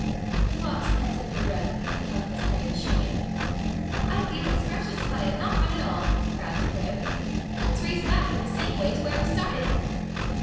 The fox panted for breath and hung his head in shame. "I feel as fresh as if I had not run at all," thejcrab declared. "Let's race back in the same way to where we started."